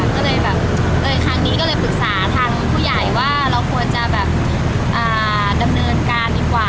ก็เลยแบบครั้งนี้ก็เลยปรึกษาทางผู้ใหญ่ว่าเราควรจะแบบดำเนินการดีกว่า